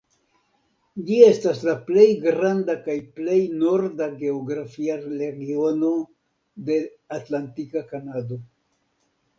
Ĝi estas la plej granda kaj plej norda geografia regiono de Atlantika Kanado.